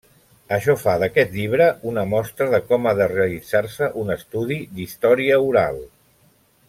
Això fa d'aquest llibre una mostra de com ha de realitzar-se un estudi d'història oral.